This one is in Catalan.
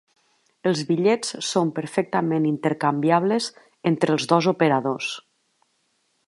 Els bitllets són perfectament intercanviables entre els dos operadors.